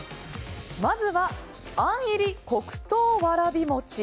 まずは、あん入り黒糖わらび餅。